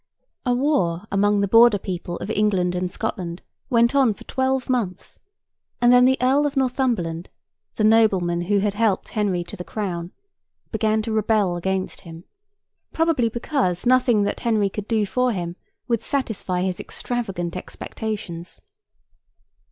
A war among the border people of England and Scotland went on for twelve months, and then the Earl of Northumberland, the nobleman who had helped Henry to the crown, began to rebel against him—probably because nothing that Henry could do for him would satisfy his extravagant expectations.